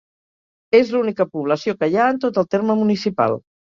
És l'única població que hi ha en tot el terme municipal.